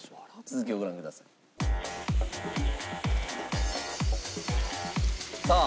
続きをご覧ください。さあ。